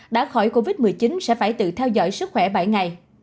đã khỏi covid một mươi chín sẽ phải tự theo dõi sức khỏe bảy ngày